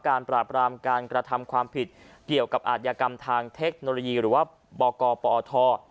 ปราบรามการกระทำความผิดเกี่ยวกับอาทยากรรมทางเทคโนโลยีหรือว่าบกปอท